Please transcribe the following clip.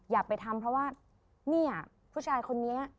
อย่าไปทำเพราะว่าเนี่ยผู้ชายคนนี้